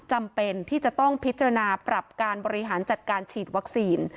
จำเป็นที่จะต้องพิจารณาปรับการบริหารจัดการฉีดวัคซีน